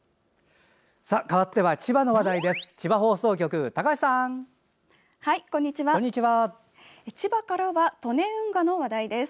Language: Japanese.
かわっては千葉の話題です。